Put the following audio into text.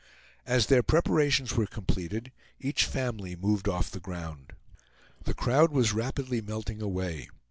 As their preparations were completed, each family moved off the ground. The crowd was rapidly melting away.